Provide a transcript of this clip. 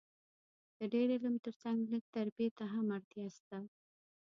د ډېر علم تر څنګ لږ تربیې ته هم اړتیا سته